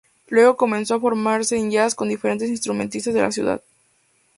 Luego comenzó su formación en jazz con diferentes instrumentistas de la ciudad.